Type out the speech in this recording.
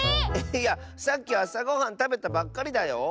いやさっきあさごはんたべたばっかりだよ！